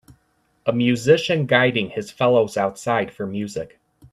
a musician guiding his fellows outside for music